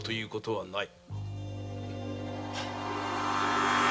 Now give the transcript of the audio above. はい。